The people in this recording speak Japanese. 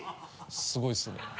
すごいですね。